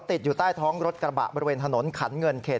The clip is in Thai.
ติดอยู่ใต้ท้องรถกระบะบริเวณถนนขันเงินเขต